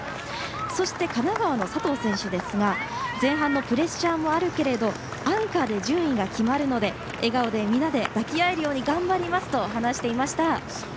そして、神奈川の佐藤選手ですが前半のプレッシャーもあるけれどアンカーで順位が決まるので笑顔で、皆で抱き合えるように頑張りますと話していました。